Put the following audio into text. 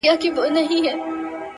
د رنگونو په کتار کي يې ويده کړم”